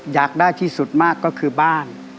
อยากได้ที่สุดมากก็คือบ้าน